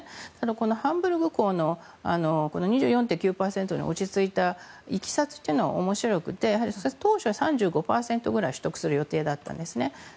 このハンブルク港の２４．９％に落ち着いたいきさつというのは面白くて、当初は３５％ぐらい取得する予定だったんですね。